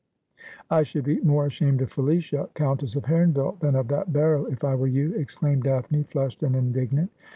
' I should be more ashamed of Felicia, Countess of Heron ville, than of that barrow, if I were you,' exclaimed Daphne, flushed and indignant.